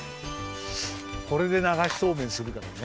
これでながしそうめんするからね。